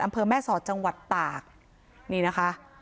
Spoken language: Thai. อำเภอแม่สอดจังหวัดตากนี่นะคะ